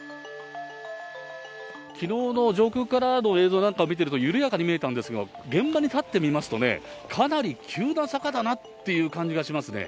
きのうの上空からの映像なんかを見てると、緩やかに見えたんですが、現場に立ってみますとね、かなり急な坂だなっていう感じがしますね。